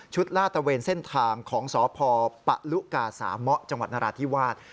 ลาดตะเวนเส้นทางของสพปะลุกาสามะจังหวัดนราธิวาส